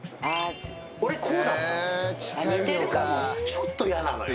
ちょっと嫌なのよ。